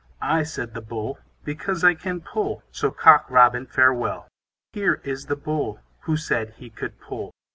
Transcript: I, said the Bull, Because I can pull; So Cock Robin, farewell. Here is the Bull, Who said he could pull.